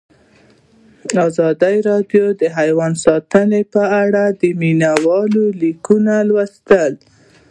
ازادي راډیو د حیوان ساتنه په اړه د مینه والو لیکونه لوستي.